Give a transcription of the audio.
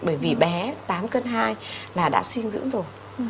bởi vì bé tám cân hai là đã suy dưỡng rồi